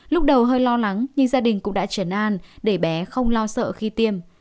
lúc đầu hơi lo lắng nhưng gia đình cũng đã trần an để bé không lo sợ khi tiêm